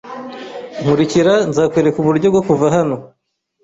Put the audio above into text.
Nkurikira. Nzakwereka uburyo bwo kuva hano.